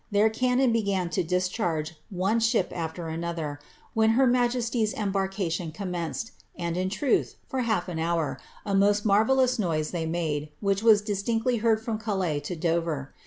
Their cannon began u> discharge, one ship after another, when her majesty's embarkation commenced, and, in truth, for half an hour, a most marvellous noise they made, which was distinctly heard from Calais to Dover.